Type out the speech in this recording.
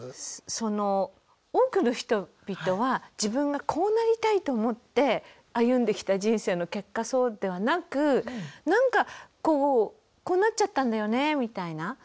その多くの人々は自分がこうなりたいと思って歩んできた人生の結果そうではなくなんかこうこうなっちゃったんだよねみたいな。